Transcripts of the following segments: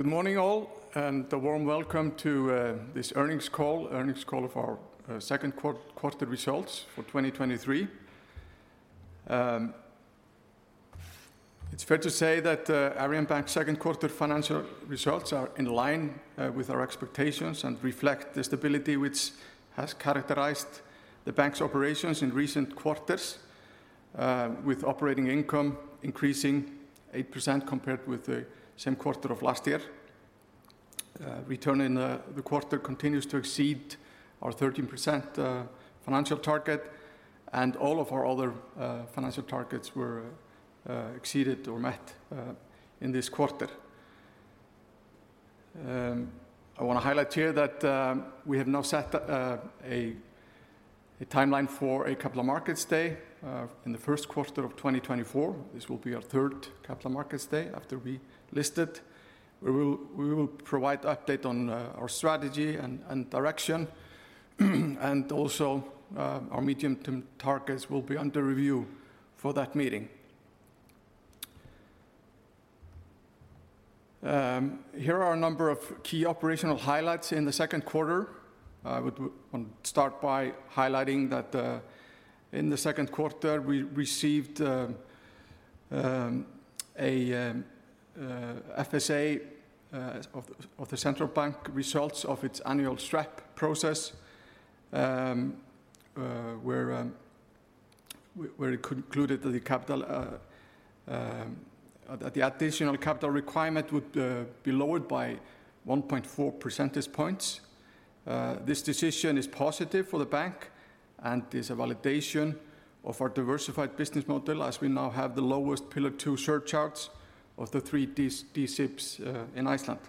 Good morning all, a warm welcome to this earnings call of our second quarter results for 2023. It's fair to say that Arion Bank's second quarter financial results are in line with our expectations and reflect the stability which has characterized the bank's operations in recent quarters, with operating income increasing 8% compared with the same quarter of last year. Return in the quarter continues to exceed our 13% financial target, all of our other financial targets were exceeded or met in this quarter. I wanna highlight here that we have now set a timeline for a Capital Markets Day in the first quarter of 2024. This will be our third Capital Markets Day after we listed. We will provide update on our strategy and direction, and also our medium-term targets will be under review for that meeting. Here are a number of key operational highlights in the second quarter. I want start by highlighting that in the second quarter, we received a FSA of the Central Bank results of its annual SREP process where it concluded that the capital that the additional capital requirement would be lowered by 1.4 percentage points. This decision is positive for the bank and is a validation of our diversified business model as we now have the lowest Pillar Two surcharges of the three D-SIBs in Iceland.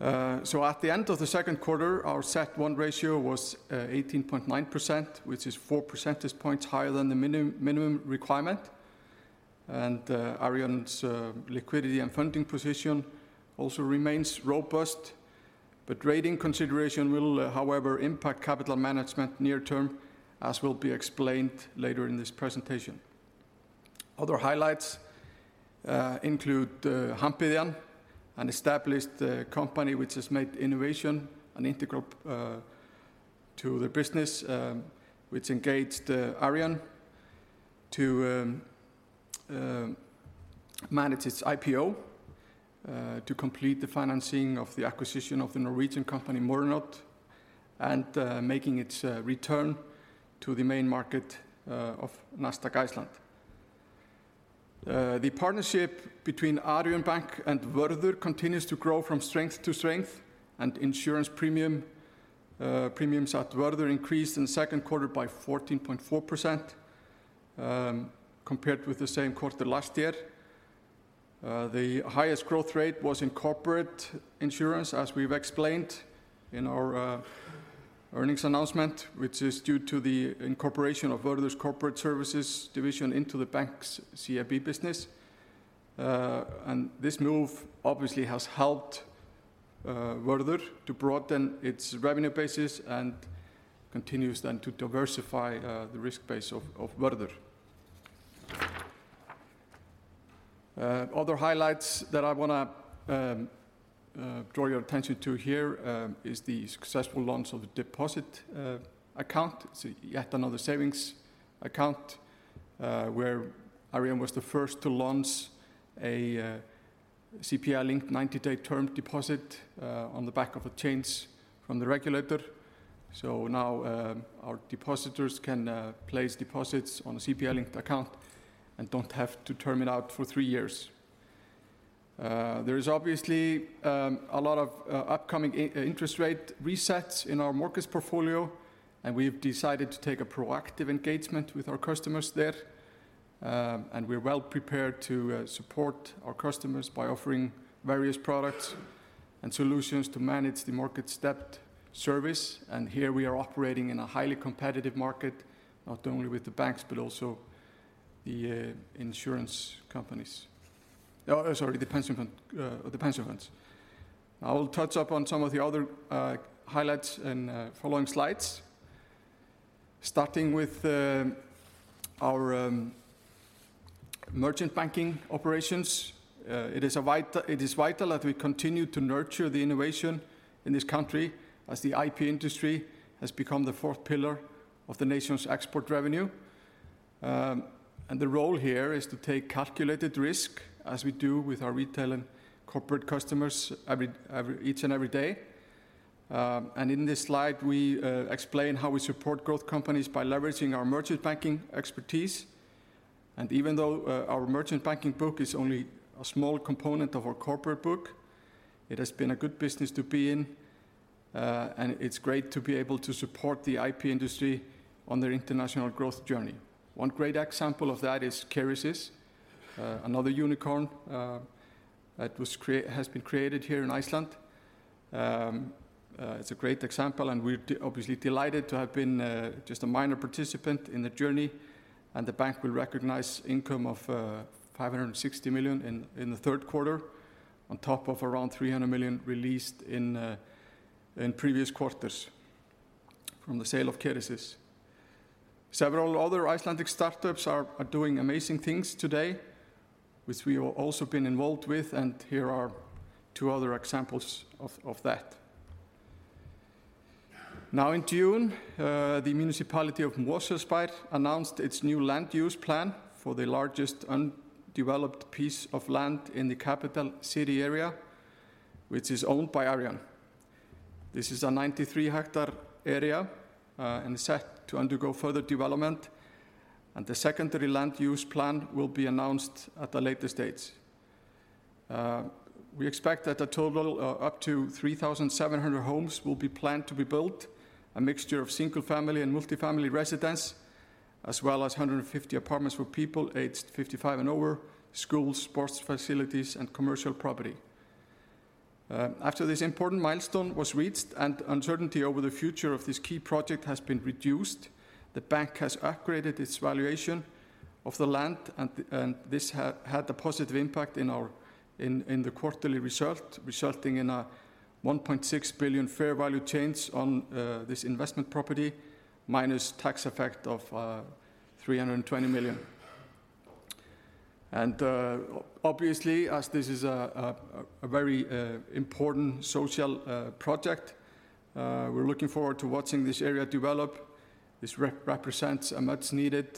At the end of the second quarter, our CET 1 ratio was 18.9%, which is 4 percentage points higher than the minimum requirement. Arion's liquidity and funding position also remains robust. Rating consideration will, however, impact capital management near term, as will be explained later in this presentation. Other highlights include Hampidjan, an established company which has made innovation an integral to the business, which engaged Arion to manage its IPO to complete the financing of the acquisition of the Norwegian company, Mørenot, and making its return to the main market of Nasdaq Iceland. The partnership between Arion Bank and Vörður continues to grow from strength to strength, and insurance premiums at Vörður increased in the second quarter by 14.4% compared with the same quarter last year. The highest growth rate was in corporate insurance, as we've explained in our earnings announcement, which is due to the incorporation of Vörður's corporate services division into the bank's CIB business. This move obviously has helped Vörður to broaden its revenue basis and continues then to diversify the risk base of Vörður. Other highlights that I wanna draw your attention to here is the successful launch of the deposit account. It's yet another savings account, where Arion was the first to launch a CPI-linked 90-day term deposit on the back of a change from the regulator. Now, our depositors can place deposits on a CPI-linked account and don't have to term it out for 3 years. There is obviously a lot of upcoming interest rate resets in our markets portfolio, and we have decided to take a proactive engagement with our customers there. We're well prepared to support our customers by offering various products and solutions to manage the market's debt service, and here we are operating in a highly competitive market, not only with the banks, but also the insurance companies. Sorry, the pension funds. I will touch up on some of the other highlights in following slides. Starting with our merchant banking operations, it is vital that we continue to nurture the innovation in this country as the IP industry has become the fourth pillar of the nation's export revenue. The role here is to take calculated risk, as we do with our retail and corporate customers each and every day. In this slide, we explain how we support growth companies by leveraging our merchant banking expertise. Even though our merchant banking book is only a small component of our corporate book, it has been a good business to be in, and it's great to be able to support the IP industry on their international growth journey. One great example of that is Kerecis, another unicorn that has been created here in Iceland. It's a great example, we're obviously delighted to have been just a minor participant in the journey, the bank will recognize income of 560 million in the third quarter, on top of around 300 million released in previous quarters from the sale of Kerecis. Several other Icelandic startups are doing amazing things today, which we have also been involved with, here are two other examples of that. In June, the Municipality of Mosfellsbær announced its new land use plan for the largest undeveloped piece of land in the capital city area, which is owned by Arion. This is a 93 hectare area, set to undergo further development, the secondary land use plan will be announced at a later stage. We expect that a total of up to 3,700 homes will be planned to be built, a mixture of single-family and multifamily residence, as well as 150 apartments for people aged 55 and over, schools, sports facilities, and commercial property. After this important milestone was reached and uncertainty over the future of this key project has been reduced, the bank has upgraded its valuation of the land, and this had a positive impact in our in the quarterly result, resulting in a 1.6 billion fair value change on this investment property, minus tax effect of 320 million. Obviously, as this is a very important social project, we're looking forward to watching this area develop. This represents a much needed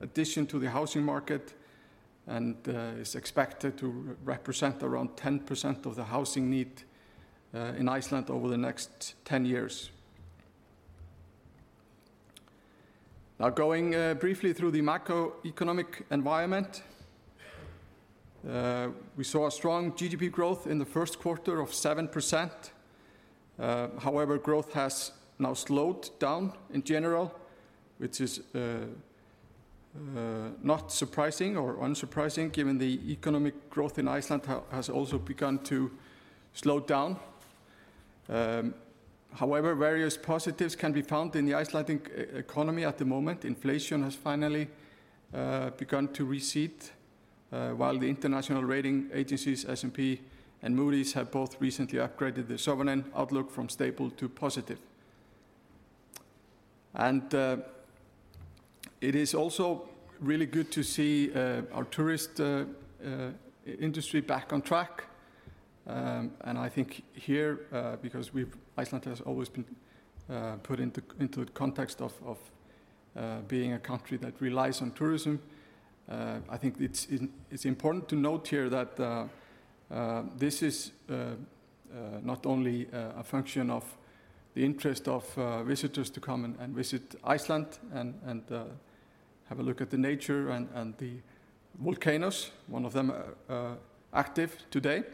addition to the housing market and is expected to represent around 10% of the housing need in Iceland over the next 10 years. Now, going briefly through the macroeconomic environment, we saw a strong GDP growth in the first quarter of 7%. However, growth has now slowed down in general, which is not surprising or unsurprising, given the economic growth in Iceland has also begun to slow down. However, various positives can be found in the Icelandic economy at the moment. Inflation has finally begun to recede while the international rating agencies, S&P and Moody's, have both recently upgraded the sovereign outlook from stable to positive. It is also really good to see our tourist industry back on track. I think here, because Iceland has always been put into the context of being a country that relies on tourism, I think it's important to note here that this is not only a function of the interest of visitors to come and visit Iceland and have a look at the nature and the volcanoes, one of them active today.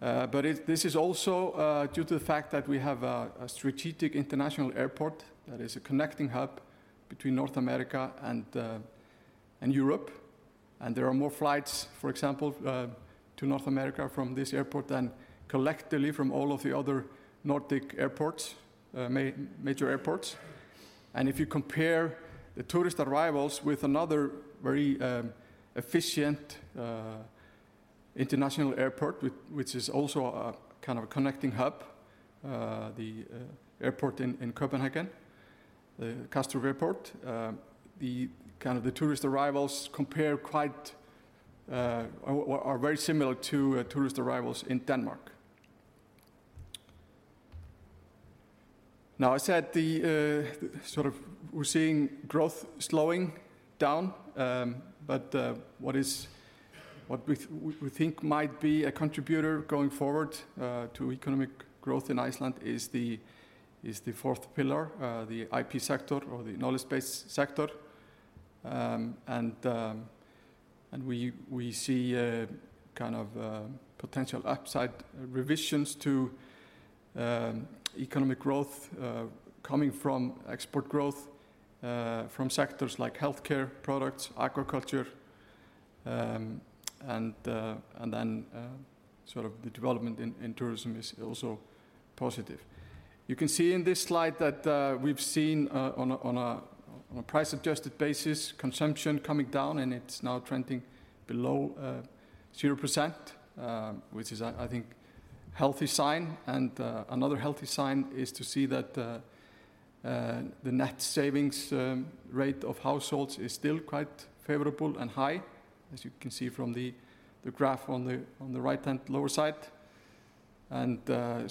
This is also due to the fact that we have a strategic international airport that is a connecting hub between North America and Europe, and there are more flights, for example, to North America from this airport than collectively from all of the other Nordic major airports. If you compare the tourist arrivals with another very efficient international airport, which is also a kind of a connecting hub, the airport in Copenhagen, the Kastrup Airport, the kind of the tourist arrivals compare quite or are very similar to tourist arrivals in Denmark. I said the sort of we're seeing growth slowing down, but what we think might be a contributor going forward to economic growth in Iceland is the fourth pillar, the IP sector or the knowledge-based sector. We see kind of potential upside revisions to economic growth coming from export growth from sectors like healthcare products, agriculture, and then sort of the development in tourism is also positive. You can see in this slide that we've seen on a price-adjusted basis, consumption coming down. It's now trending below 0%, which is, I think, healthy sign. Another healthy sign is to see that the net savings rate of households is still quite favorable and high, as you can see from the graph on the right-hand lower side. The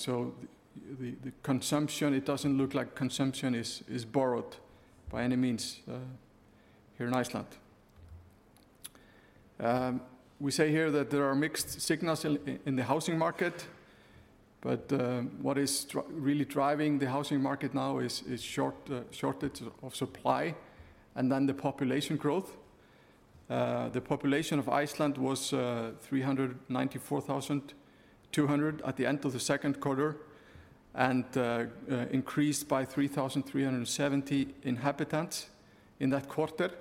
consumption, it doesn't look like consumption is borrowed by any means here in Iceland. We say here that there are mixed signals in the housing market, but what is really driving the housing market now is shortage of supply and then the population growth. The population of Iceland was 394,200 at the end of the second quarter, and increased by 3,370 inhabitants in that quarter.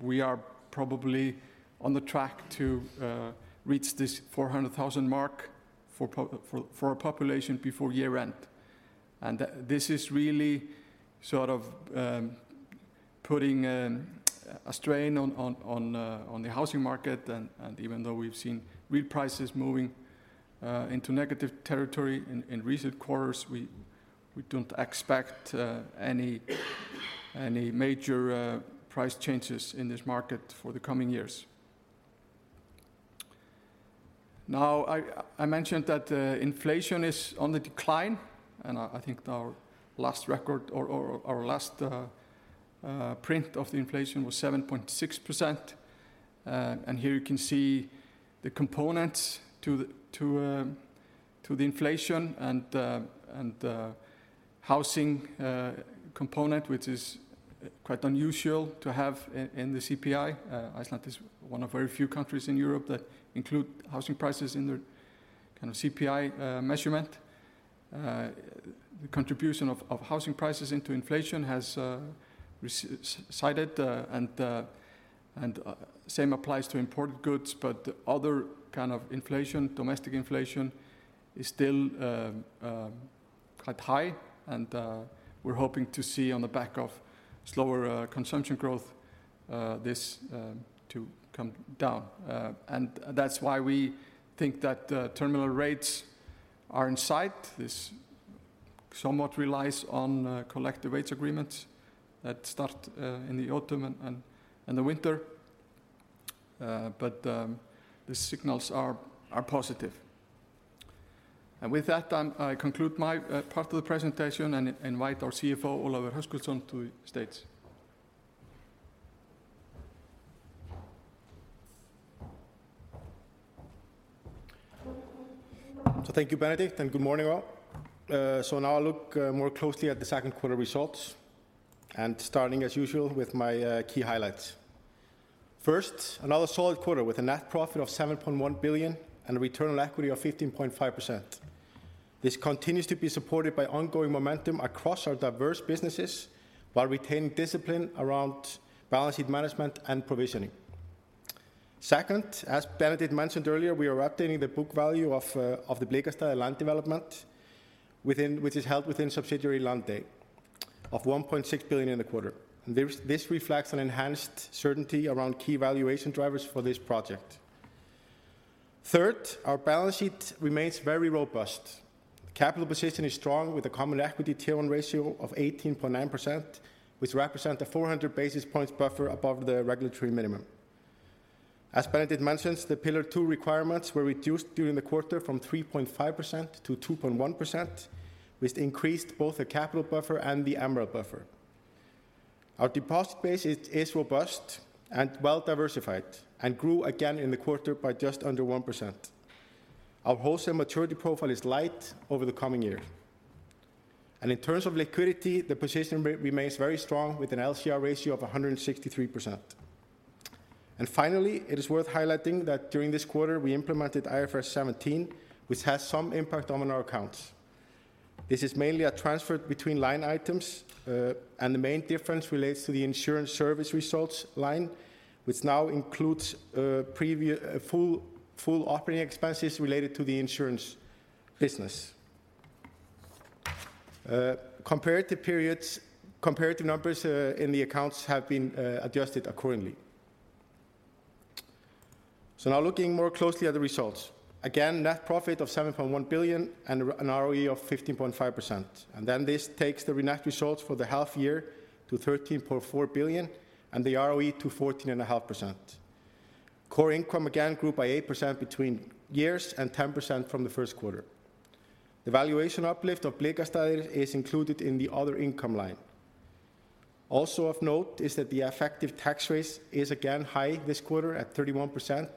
We are probably on the track to reach this 400,000 mark for our population before year-end. This is really sort of putting a strain on the housing market. Even though we've seen real prices moving into negative territory in recent quarters, we don't expect any major price changes in this market for the coming years. Now, I mentioned that inflation is on the decline, and I think our last record or our last print of the inflation was 7.6%. Here you can see the components to the inflation and housing component, which is quite unusual to have in the CPI. Iceland is 1 of very few countries in Europe that include housing prices in their kind of CPI measurement. The contribution of housing prices into inflation has sided, and same applies to imported goods, but other kind of inflation, domestic inflation, is still quite high. We're hoping to see on the back of slower consumption growth this to come down. That's why we think that terminal rates are in sight. This somewhat relies on collective wage agreements that start in the autumn and the winter. The signals are positive. With that, I conclude my part of the presentation and invite our CFO, Ólafur Hrafn Sigurðsson, to the stage. Thank you, Benedikt, and good morning, all. Now I'll look more closely at the second quarter results, and starting as usual with my key highlights. First, another solid quarter with a net profit of 7.1 billion and a return on equity of 15.5%. This continues to be supported by ongoing momentum across our diverse businesses, while retaining discipline around balance sheet management and provisioning. Second, as Benedikt mentioned earlier, we are updating the book value of the Blikastaðir land development which is held within subsidiary Landey, of 1.6 billion in the quarter. This reflects an enhanced certainty around key valuation drivers for this project. Third, our balance sheet remains very robust. The capital position is strong, with a common equity Tier 1 ratio of 18.9%, which represent a 400 basis points buffer above the regulatory minimum. As Benedikt mentioned, the Pillar II requirements were reduced during the quarter from 3.5% to 2.1%, which increased both the capital buffer and the MREL buffer. Our deposit base is robust and well diversified and grew again in the quarter by just under 1%. Our wholesale maturity profile is light over the coming year. In terms of liquidity, the position remains very strong, with an LCR ratio of 163%. Finally, it is worth highlighting that during this quarter, we implemented IFRS 17, which has some impact on our accounts. This is mainly a transfer between line items, and the main difference relates to the insurance service results line, which now includes previous full operating expenses related to the insurance business. Comparative numbers in the accounts have been adjusted accordingly. Now looking more closely at the results. Net profit of 7.1 billion and an ROE of 15.5%. This takes the net results for the half year to 13.4 billion and the ROE to 14.5%. Core income again grew by 8% between years and 10% from the first quarter. The valuation uplift of Blikastaðir is included in the other income line. Also of note is that the effective tax rate is again high this quarter at 31%,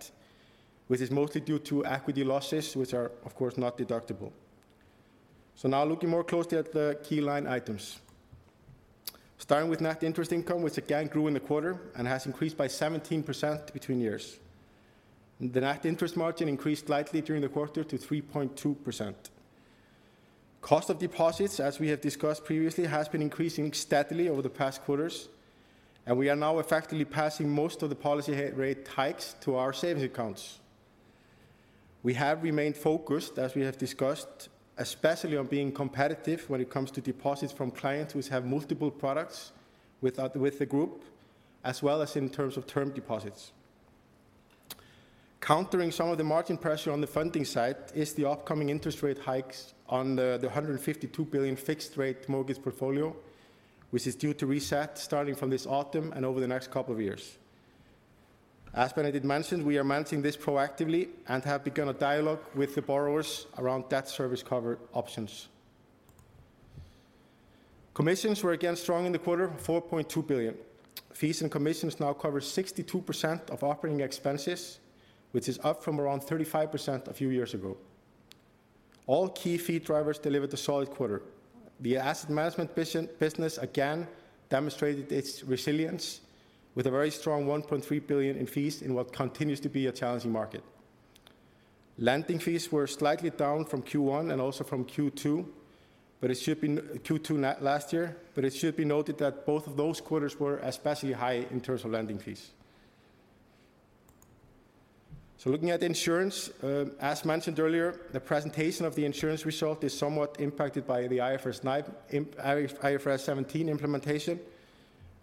which is mostly due to equity losses, which are, of course, not deductible. Now looking more closely at the key line items. Starting with net interest income, which again grew in the quarter and has increased by 17% between years. The net interest margin increased slightly during the quarter to 3.2%. Cost of deposits, as we have discussed previously, has been increasing steadily over the past quarters. We are now effectively passing most of the policy rate hikes to our savings accounts. We have remained focused, as we have discussed, especially on being competitive when it comes to deposits from clients which have multiple products with the group, as well as in terms of term deposits. Countering some of the margin pressure on the funding side is the upcoming interest rate hikes on the 152 billion fixed rate mortgage portfolio, which is due to reset starting from this autumn and over the next couple of years. As Benedikt mentioned, we are managing this proactively and have begun a dialogue with the borrowers around debt service cover options. Commissions were again strong in the quarter, 4.2 billion. Fees and commissions now cover 62% of operating expenses, which is up from around 35% a few years ago. All key fee drivers delivered a solid quarter. The asset management business again demonstrated its resilience with a very strong 1.3 billion in fees in what continues to be a challenging market. Lending fees were slightly down from Q1 and also from Q2 last year. It should be noted that both of those quarters were especially high in terms of lending fees. Looking at insurance, as mentioned earlier, the presentation of the insurance result is somewhat impacted by the IFRS 9 IFRS 17 implementation.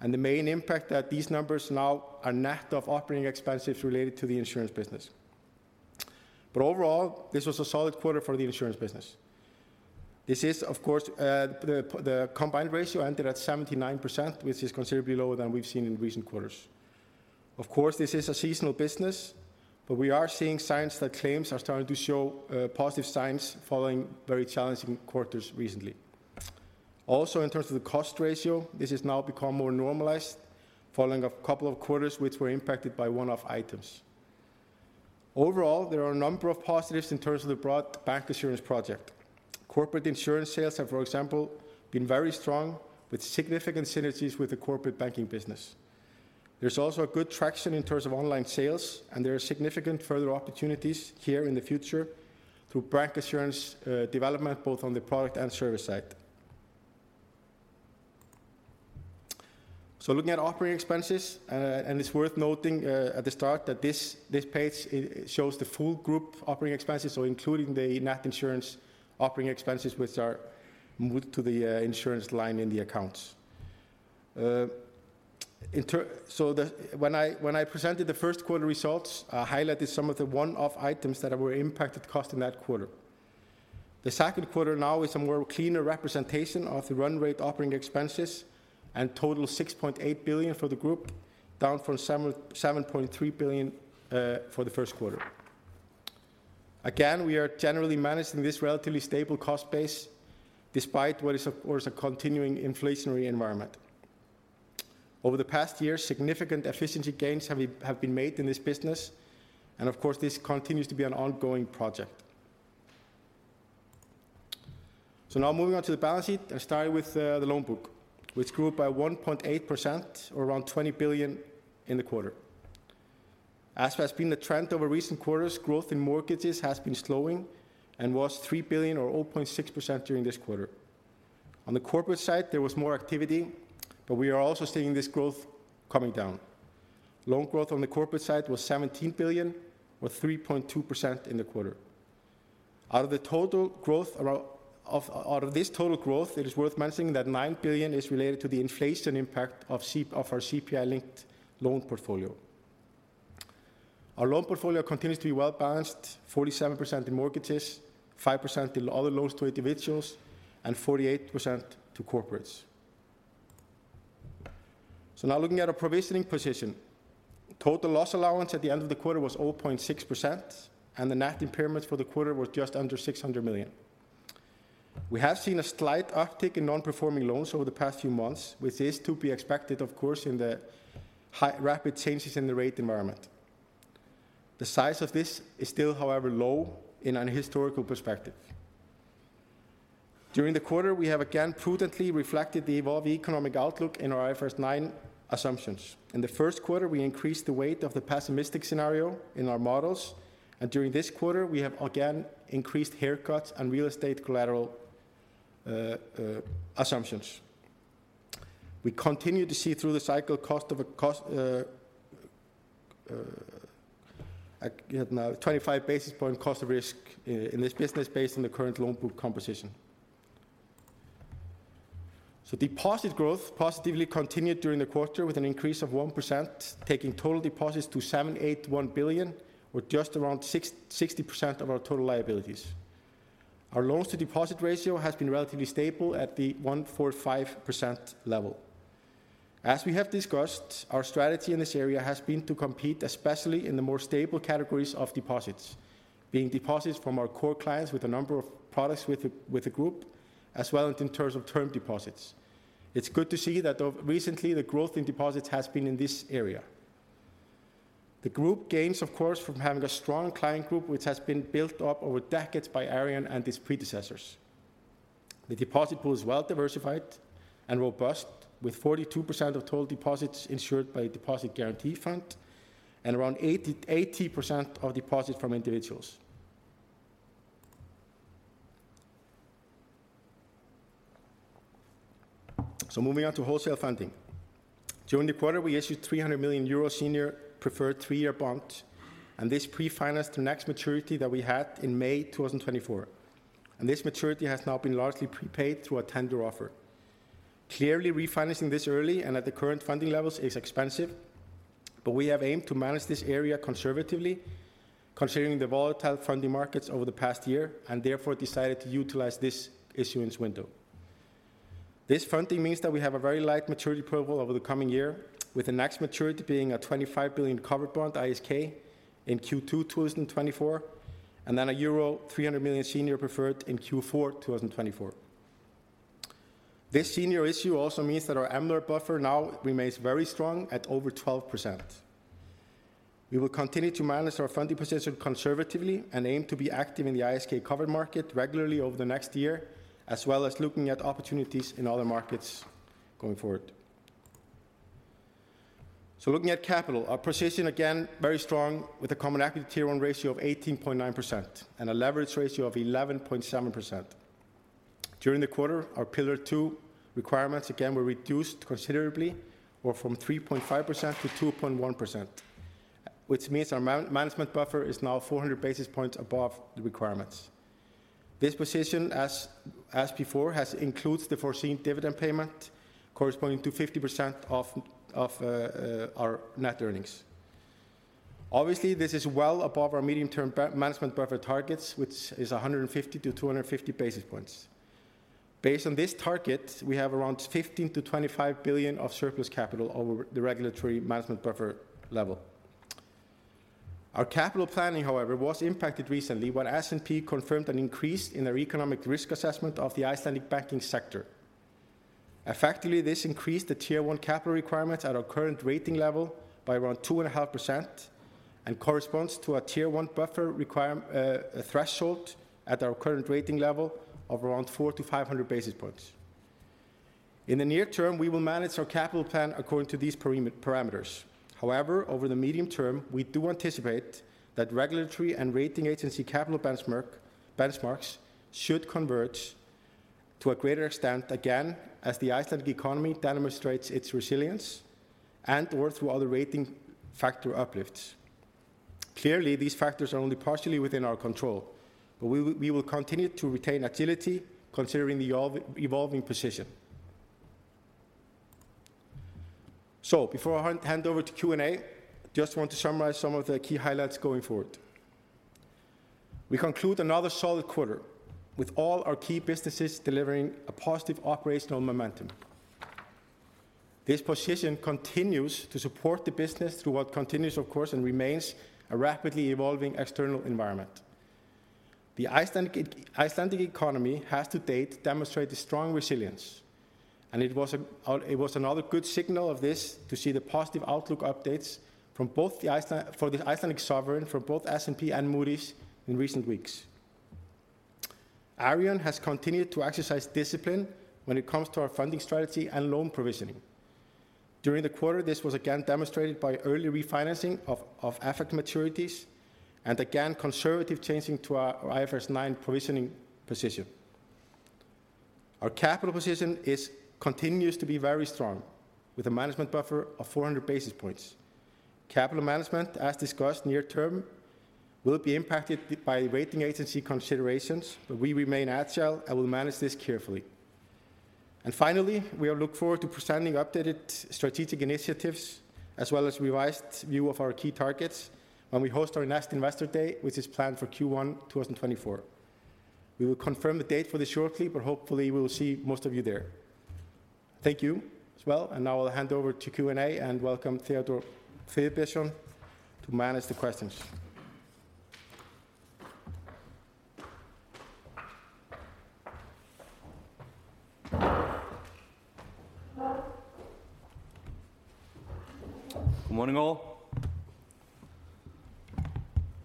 The main impact that these numbers now are net of operating expenses related to the insurance business. Overall, this was a solid quarter for the insurance business. This is, of course, the combined ratio ended at 79%, which is considerably lower than we've seen in recent quarters. Of course, this is a seasonal business. We are seeing signs that claims are starting to show positive signs following very challenging quarters recently. In terms of the cost ratio, this has now become more normalized following a couple of quarters which were impacted by one-off items. There are a number of positives in terms of the broad bank insurance project. Corporate insurance sales have, for example, been very strong, with significant synergies with the corporate banking business. There's also a good traction in terms of online sales, and there are significant further opportunities here in the future through bank insurance development, both on the product and service side. Looking at operating expenses, and it's worth noting at the start that this page shows the full group operating expenses, so including the net insurance operating expenses, which are moved to the insurance line in the accounts. The... When I presented the first quarter results, I highlighted some of the one-off items that were impacted cost in that quarter. The second quarter now is a more cleaner representation of the run rate operating expenses and total 6.8 billion for the group, down from 7.3 billion for the first quarter. Again, we are generally managing this relatively stable cost base despite what is of course, a continuing inflationary environment. Over the past year, significant efficiency gains have been made in this business, and of course, this continues to be an ongoing project. Now moving on to the balance sheet and starting with the loan book, which grew by 1.8% or around 20 billion in the quarter. As has been the trend over recent quarters, growth in mortgages has been slowing and was 3 billion, or 0.6% during this quarter. On the corporate side, there was more activity, we are also seeing this growth coming down. Loan growth on the corporate side was 17 billion, or 3.2% in the quarter. Out of this total growth, it is worth mentioning that 9 billion is related to the inflation impact of CPI, of our CPI-linked loan portfolio. Our loan portfolio continues to be well-balanced, 47% in mortgages, 5% in other loans to individuals, and 48% to corporates. Now looking at our provisioning position. Total loss allowance at the end of the quarter was 0.6%, and the net impairments for the quarter were just under 600 million. We have seen a slight uptick in non-performing loans over the past few months, which is to be expected, of course, in the high rapid changes in the rate environment. The size of this is still, however, low in an historical perspective. During the quarter, we have again prudently reflected the evolving economic outlook in our IFRS 9 assumptions. In the first quarter, we increased the weight of the pessimistic scenario in our models. During this quarter, we have again increased haircuts on real estate collateral assumptions. We continue to see through the cycle 25 basis point cost of risk in this business based on the current loan book composition. Deposit growth positively continued during the quarter with an increase of 1%, taking total deposits to 781 billion, or just around 60% of our total liabilities. Our loans to deposit ratio has been relatively stable at the 145% level. As we have discussed, our strategy in this area has been to compete, especially in the more stable categories of deposits, being deposits from our core clients with a number of products with the group, as well as in terms of term deposits. It's good to see that recently, the growth in deposits has been in this area. The group gains, of course, from having a strong client group, which has been built up over decades by Arion Banki and his predecessors. The deposit pool is well diversified and robust, with 42% of total deposits insured by Depositors Guarantee Fund and around 80% of deposits from individuals. Moving on to wholesale funding. During the quarter, we issued 300 million euro senior preferred three-year bond, and this pre-financed the next maturity that we had in May 2024. This maturity has now been largely prepaid through a tender offer. Clearly, refinancing this early and at the current funding levels is expensive, but we have aimed to manage this area conservatively, considering the volatile funding markets over the past year, and therefore decided to utilize this issuance window. This funding means that we have a very light maturity profile over the coming year, with the next maturity being a 25 billion covered bond in Q2 2024, and then a euro 300 million senior preferred in Q4 2024. This senior issue also means that our MREL buffer now remains very strong at over 12%. We will continue to manage our funding position conservatively and aim to be active in the ISK covered market regularly over the next year, as well as looking at opportunities in other markets going forward. Looking at capital, our position again, very strong, with a common equity Tier 1 ratio of 18.9% and a leverage ratio of 11.7%. During the quarter, our Pillar 2 requirements again were reduced considerably, or from 3.5% to 2.1%, which means our management buffer is now 400 basis points above the requirements. This position, as before, includes the foreseen dividend payment corresponding to 50% of our net earnings. Obviously, this is well above our medium-term management buffer targets, which is 150-250 basis points. Based on this target, we have around 15 billion-25 billion of surplus capital over the regulatory management buffer level. Our capital planning, however, was impacted recently when S&P confirmed an increase in their economic risk assessment of the Icelandic banking sector. Effectively, this increased the Tier 1 capital requirements at our current rating level by around 2.5%, and corresponds to a Tier 1 buffer threshold at our current rating level of around 400-500 basis points. In the near term, we will manage our capital plan according to these parameters. However, over the medium term, we do anticipate that regulatory and rating agency capital benchmarks should converge to a greater extent, again, as the Icelandic economy demonstrates its resilience and or through other rating factor uplifts. Clearly, these factors are only partially within our control, but we will continue to retain agility considering the evolving position. Before I hand over to Q&A, just want to summarize some of the key highlights going forward. We conclude another solid quarter, with all our key businesses delivering a positive operational momentum. This position continues to support the business through what continues, of course, and remains a rapidly evolving external environment. The Icelandic economy has to date demonstrated strong resilience, and it was another good signal of this to see the positive outlook updates for the Icelandic sovereign, from both S&P and Moody's in recent weeks. Arion has continued to exercise discipline when it comes to our funding strategy and loan provisioning. During the quarter, this was again demonstrated by early refinancing of AFEK maturities, and again, conservative changing to our IFRS 9 provisioning position. Our capital position is continues to be very strong, with a management buffer of 400 basis points. Capital management, as discussed near term, will be impacted by rating agency considerations, but we remain agile and will manage this carefully. Finally, we look forward to presenting updated strategic initiatives, as well as revised view of our key targets when we host our next Investor Day, which is planned for Q1 2024. We will confirm the date for this shortly, but hopefully we will see most of you there. Thank you as well, now I'll hand over to Q&A and welcome Theódór Friðbertsson to manage the questions. Good morning, all.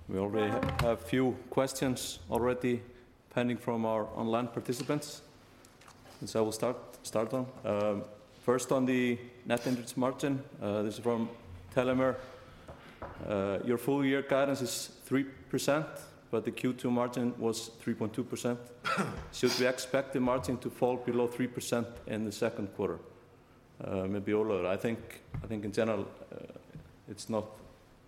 We already have a few questions pending from our online participants, we'll start on. First, on the net interest margin, this is from Telmer. "Your full year guidance is 3%, but the Q2 margin was 3.2%. Should we expect the margin to fall below 3% in the second quarter?" Maybe Olafur. I think in general, it's not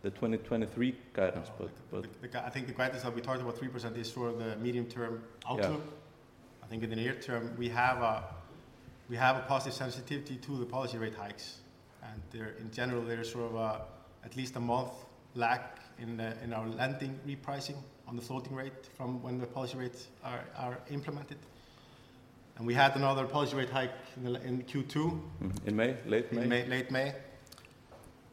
the 2023 guidance, but I think the guidance that we talked about, 3%, is for the medium-term outlook. Yeah. I think in the near term, we have a positive sensitivity to the policy rate hikes. There, in general, there is sort of a at least a month lag in our lending repricing on the floating rate from when the policy rates are implemented. We had another policy rate hike in Q2. Mm-hmm. In May, late May. In May, late May.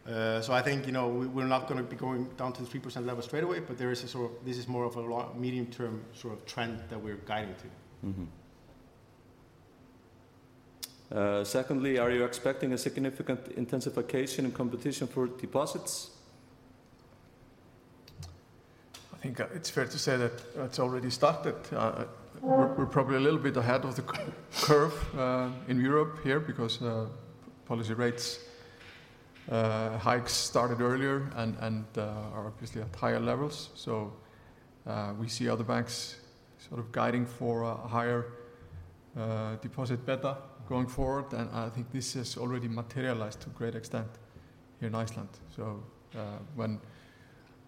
I think, you know, we're not gonna be going down to the 3% level straight away, but there is a sort of. This is more of a long, medium-term sort of trend that we're guiding to. Mm-hmm. secondly, "Are you expecting a significant intensification in competition for deposits? I think, it's fair to say that it's already started. We're probably a little bit ahead of the curve in Europe here because policy rates hikes started earlier and are obviously at higher levels. We see other banks sort of guiding for a higher deposit beta going forward, and I think this has already materialized to a great extent here in Iceland. When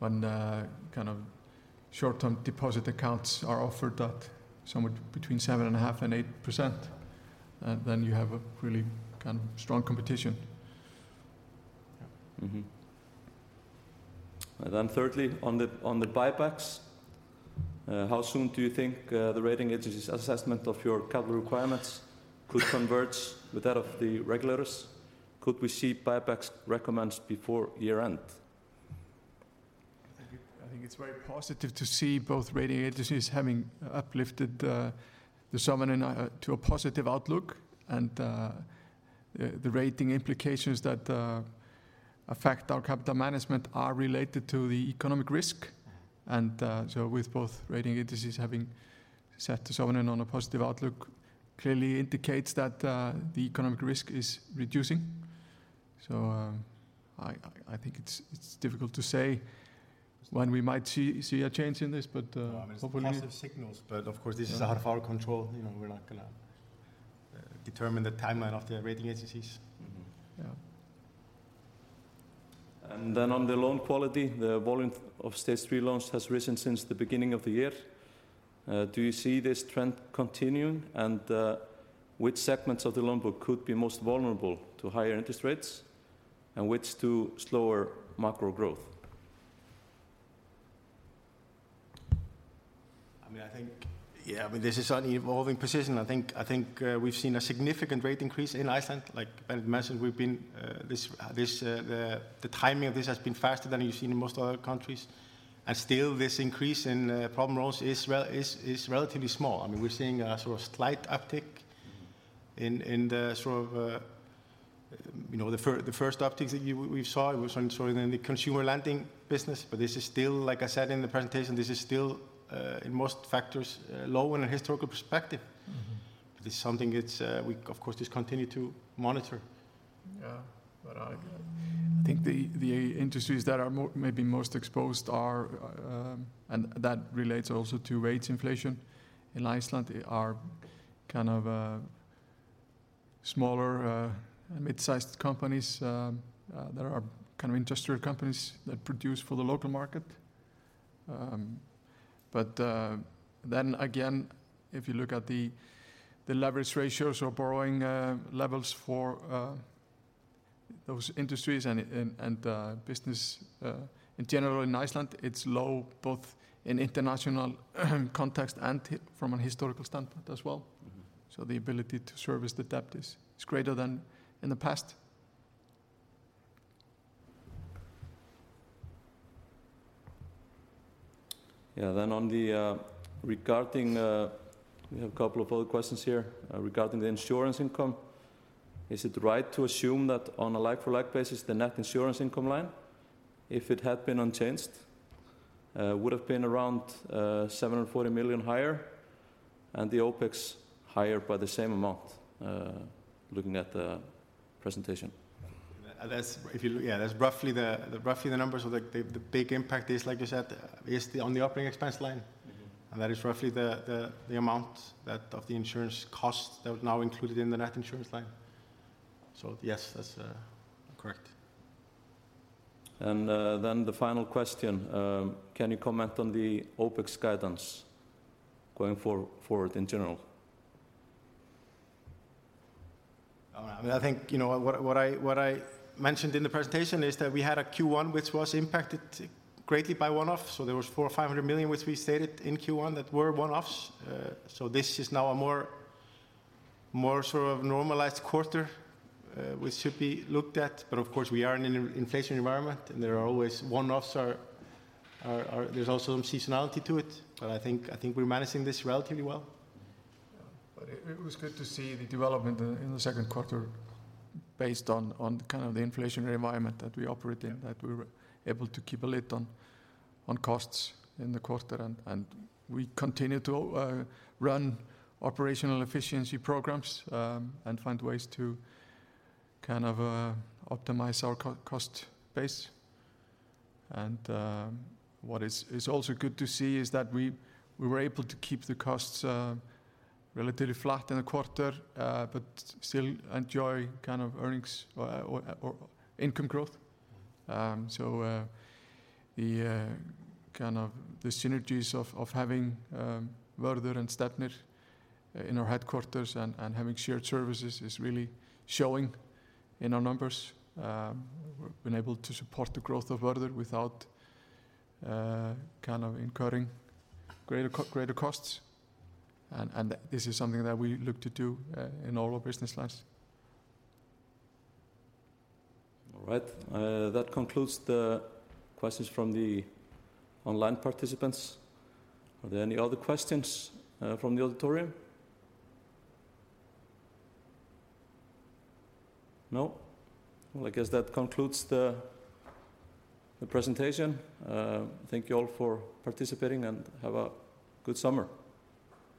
kind of short-term deposit accounts are offered at somewhere between 7.5% and 8%, then you have a really kind of strong competition. Mm-hmm. Then thirdly, on the buybacks, "How soon do you think the rating agency's assessment of your capital requirements could converge with that of the regulators? Could we see buybacks recommenced before year-end? I think it's very positive to see both rating agencies having uplifted the sovereign and to a positive outlook. The rating implications that affect our capital management are related to the economic risk. Mm-hmm. With both rating agencies having set the sovereign on a positive outlook, clearly indicates that the economic risk is reducing. I think it's difficult to say when we might see a change in this, but hopefully. Well, I mean, it's positive signals, but of course, this is out of our control. You know, we're not gonna determine the timeline of the rating agencies. Mm-hmm. Yeah. On the loan quality, the volume of Stage 3 loans has risen since the beginning of the year. Do you see this trend continuing? Which segments of the loan book could be most vulnerable to higher interest rates, and which to slower macro growth? I mean, I think, yeah, I mean, this is an evolving position. I think, we've seen a significant rate increase in Iceland. Like Benedikt mentioned, we've been, this, the timing of this has been faster than you've seen in most other countries. Still this increase in, problem loans is relatively small. I mean, we're seeing a sort of slight uptick. Mm-hmm... in the sort of, you know, the first upticks that you, we saw was on sort of in the consumer lending business. But this is still, like I said in the presentation, this is still, in most factors, low in a historical perspective. Mm-hmm. It's something, we of course, just continue to monitor. Yeah. I think the industries that are maybe most exposed. That relates also to wage inflation in Iceland, are kind of smaller and mid-sized companies. There are kind of industrial companies that produce for the local market. Then again, if you look at the leverage ratios or borrowing levels for those industries and business in general, in Iceland, it's low, both in international context and from a historical standpoint as well. Mm-hmm. The ability to service the debt is greater than in the past. We have a couple of other questions here. Regarding the insurance income, is it right to assume that on a like-for-like basis, the net insurance income line, if it had been unchanged, would have been around 740 million higher, and the OpEx higher by the same amount, looking at the presentation? That's roughly the numbers. The big impact is, like you said, is the on the operating expense line. Mm-hmm. That is roughly the amount that of the insurance costs that are now included in the net insurance line. Yes, that's correct. The final question: Can you comment on the OpEx guidance going forward in general? I mean, I think, you know, what I mentioned in the presentation is that we had a Q1, which was impacted greatly by one-off. There was 400 million-500 million, which we stated in Q1, that were one-offs. This is now a more sort of normalized quarter, which should be looked at. Of course, we are in an inflation environment, and there are always one-offs are there's also some seasonality to it, but I think we're managing this relatively well. Yeah. It was good to see the development in the second quarter based on kind of the inflationary environment that we operate in. Yeah. We were able to keep a lid on costs in the quarter, and we continue to run operational efficiency programs and find ways to optimize our cost base. What is also good to see is that we were able to keep the costs relatively flat in the quarter, but still enjoy earnings or income growth. Mm-hmm. The kind of the synergies of having Vörður and Stefnir in our headquarters and having shared services is really showing in our numbers. We've been able to support the growth of Vörður without kind of incurring greater costs, and this is something that we look to do in all our business lines. All right. That concludes the questions from the online participants. Are there any other questions from the auditorium? No? I guess that concludes the presentation. Thank you all for participating, and have a good summer.